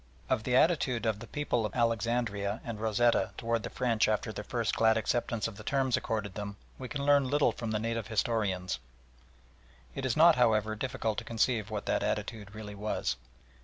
Of the attitude of the people of Alexandria and Rosetta towards the French after their first glad acceptance of the terms accorded them, we can learn little from the native historians; it is not, however, difficult to conceive what that attitude really was.